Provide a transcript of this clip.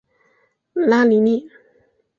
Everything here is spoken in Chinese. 拉尼利。